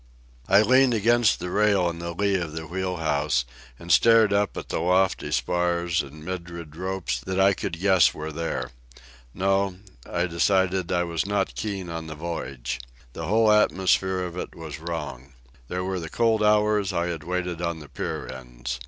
I leaned against the rail in the lee of the wheel house, and stared up at the lofty spars and myriad ropes that I could guess were there. No, I decided I was not keen on the voyage. The whole atmosphere of it was wrong. There were the cold hours I had waited on the pier ends.